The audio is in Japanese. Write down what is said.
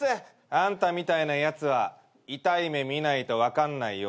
あんたみたいなやつは痛い目見ないと分かんないようだからね。